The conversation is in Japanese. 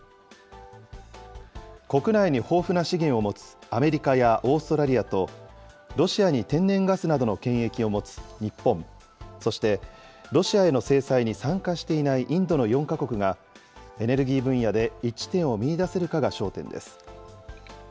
国内に豊富な資源を持つアメリカやオーストラリアと、ロシアに天然ガスなどの権益を持つ日本、そしてロシアへの制裁に参加していないインドの４か国が、エネルギー分野で一致点を見いだせるかが焦点です。